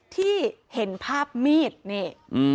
ที่เห็นภาพมีดนี่